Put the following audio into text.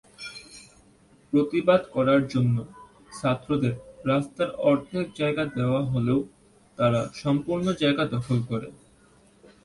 প্রতিবাদ করার জন্য ছাত্রদের রাস্তার অর্ধেক জায়গা দেওয়া হলেও তারা সম্পূর্ণ জায়গা দখল করে।